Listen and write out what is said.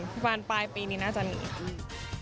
ประมาณปลายปีนี้น่าจะหนีค่ะ